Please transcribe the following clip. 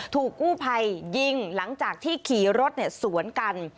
ถูกกู้ภัยยิงหลังจากที่ขี่รถสวนกัน